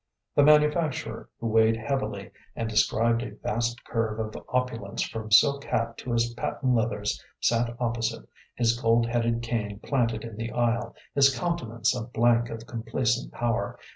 The manufacturer, who weighed heavily, and described a vast curve of opulence from silk hat to his patent leathers, sat opposite, his gold headed cane planted in the aisle, his countenance a blank of complacent power.